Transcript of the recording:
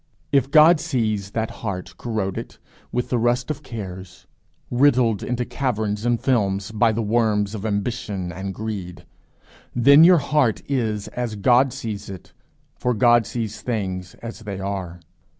If God sees that heart corroded with the rust of cares, riddled into caverns and films by the worms of ambition and greed, then your heart is as God sees it, for God sees things as they are.